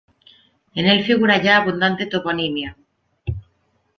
En el figura ya abundante toponimia.